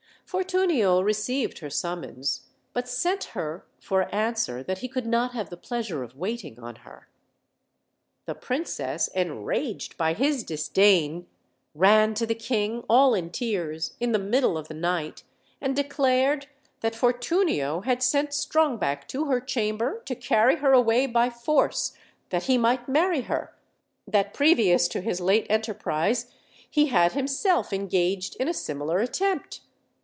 Fortunio received her summons, but sent her for an swer that he could not have the pleasure of waiting on her. The princess, enraged by his disdain, ran to the king all in tears, in the middle of the night, and declared that Fortunio had sent Strongback to her chamber to carry her away by force, that he .might marry her: that previous to his late enterprise he had himself engaged in a similar attempt.